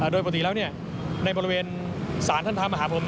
โดยปกติแล้วในบริเวณศาลท่านพระมหาผม